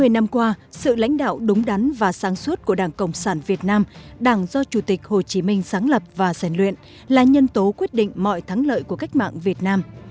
bảy mươi năm qua sự lãnh đạo đúng đắn và sáng suốt của đảng cộng sản việt nam đảng do chủ tịch hồ chí minh sáng lập và sàn luyện là nhân tố quyết định mọi thắng lợi của cách mạng việt nam